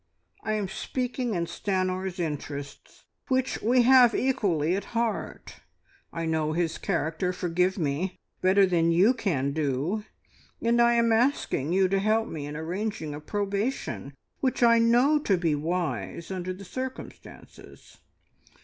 I am speaking in Stanor's interests, which we have equally at heart. I know his character forgive me! better than you can do, and I am asking you to help me in arranging a probation which I know to be wise under the circumstances.